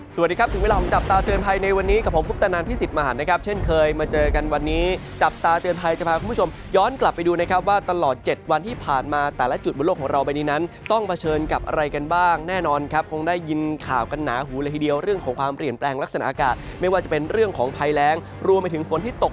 สวัสดีครับถึงเวลาของจับตาเตือนภัยในวันนี้กับผมพุทธนันพิสิทธิมหันนะครับเช่นเคยมาเจอกันวันนี้จับตาเตือนภัยจะพาคุณผู้ชมย้อนกลับไปดูนะครับว่าตลอด๗วันที่ผ่านมาแต่ละจุดบนโลกของเราใบนี้นั้นต้องเผชิญกับอะไรกันบ้างแน่นอนครับคงได้ยินข่าวกันหนาหูเลยทีเดียวเรื่องของความเปลี่ยนแปลงลักษณะอากาศไม่ว่าจะเป็นเรื่องของภัยแรงรวมไปถึงฝนที่ตก